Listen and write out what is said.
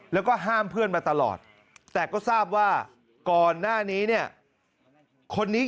แล้วก็ห้ามเพื่อนมาตลอดแต่ก็ทราบว่าก่อนหน้านี้เนี่ยคนนี้